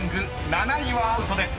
［７位はアウトです。